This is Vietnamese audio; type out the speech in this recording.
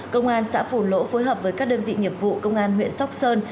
công an xã phù lỗ phối hợp với các đơn vị nghiệp vụ công an huyện sóc sơn